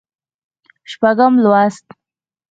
شپږم لوست